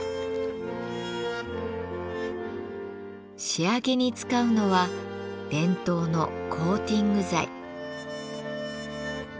仕上げに使うのは伝統のコーティング剤。